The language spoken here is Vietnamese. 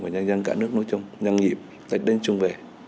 và nhân dân cả nước nói chung nhân nghiệp tách đến chung về